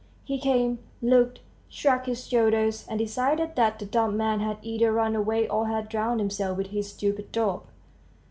He came, looked, shrugged his shoulders, and decided that the dumb man had either run away or had drowned himself with his stupid dog.